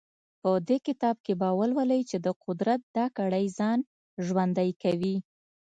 په دې کتاب کې به ولولئ چې د قدرت دا کړۍ ځان ژوندی کوي.